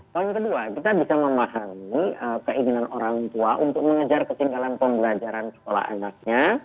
poin kedua kita bisa memahami keinginan orang tua untuk mengejar ketinggalan pembelajaran sekolah anaknya